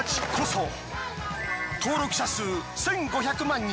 登録者数１，５００万人。